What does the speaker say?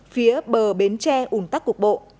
phía bờ bến tre ủng tắc cuộc bộ